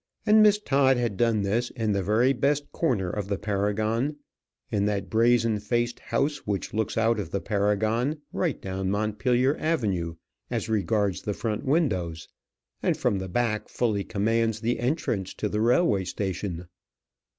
And Miss Todd had done this in the very best corner of the Paragon; in that brazen faced house which looks out of the Paragon right down Montpellier Avenue as regards the front windows, and from the back fully commands the entrance to the railway station.